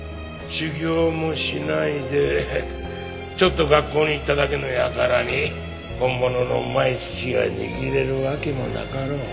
修業もしないでちょっと学校に行っただけの輩に本物のうまい寿司が握れるわけもなかろう。